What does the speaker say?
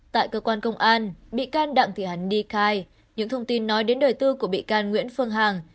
tại cơ quan công an bị can đặng thị hàn ni khai những thông tin nói đến đời tư của bị can nguyễn phương hằng